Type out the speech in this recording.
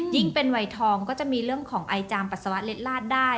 เป็นวัยทองก็จะมีเรื่องของไอจามปัสสาวะเล็ดลาดได้